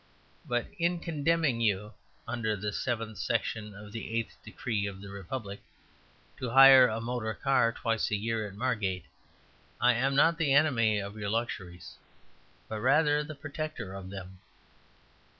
But in condemning you (under the Seventeenth Section of the Eighth Decree of the Republic) to hire a motor car twice a year at Margate, I am not the enemy of your luxuries, but, rather, the protector of them."